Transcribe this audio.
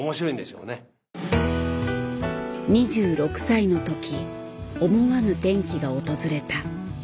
２６歳の時思わぬ転機が訪れた。